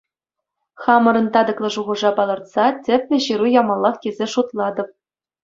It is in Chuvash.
Хамӑрӑн татӑклӑ шухӑша палӑртса тӗплӗ Ҫыру ямаллах тесе шутлатӑп.